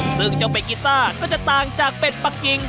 ซึ่งเจ้าเป็ดกีต้าก็จะต่างจากเป็ดปะกิง